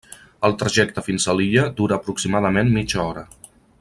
El trajecte fins a l'illa dura aproximadament mitja hora.